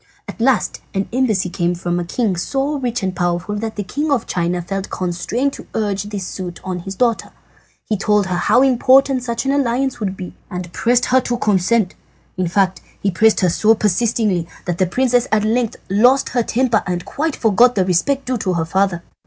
"At last an embassy came from a king so rich and powerful that the King of China felt constrained to urge this suit on his daughter. He told her how important such an alliance would be, and pressed her to consent. In fact, he pressed her so persistingly that the princess at length lost her temper and quite forgot the respect due to her father.